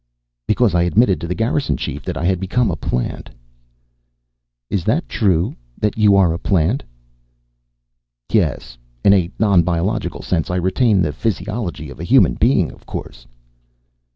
"Because I admitted to the Garrison Chief that I had become a plant." "Is that true? That you are a plant." "Yes, in a non biological sense. I retain the physiology of a human being, of course."